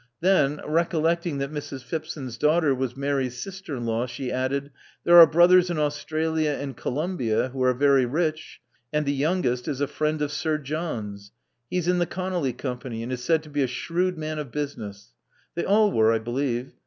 Then, recollecting that Mrs. Phipson's daughter was Mary's sister in law, she added, There are brothers in Australia and Columbia who are very rich; and the youngest is a friend of Sir John's. He's in the Conolly Company, and is said to be a shrewd man of business. They all were, I believe.